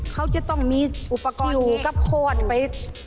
เขาจะต้องมีอุปกรณ์สิวกับโขดไป